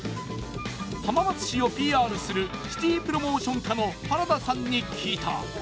浜松市をＰＲするシティプロモーション課の原田さんに聞いた。